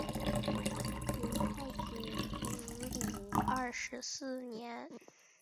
明太祖洪武二十四年改封云南。